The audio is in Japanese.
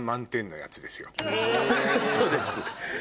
そうです。